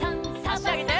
あしあげて。